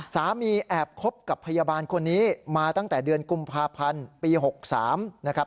แอบคบกับพยาบาลคนนี้มาตั้งแต่เดือนกุมภาพันธ์ปี๖๓นะครับ